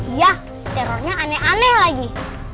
iya terornya aneh aneh lagi